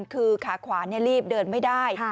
คือขาขวารีบเดินไม่ได้